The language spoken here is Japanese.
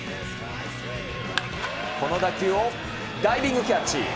この打球を、ダイビングキャッチ。